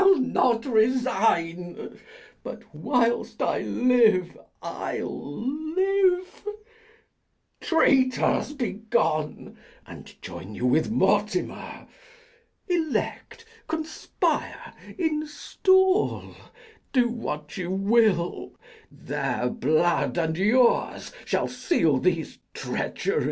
_ I'll not resign, but, whilst I live, [be king]. Traitors, be gone, and join you with Mortimer. Elect, conspire, install, do what you will: Their blood and yours shall seal these treacheries.